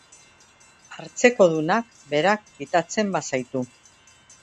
Hartzekodunak berak kitatzen bazaitu.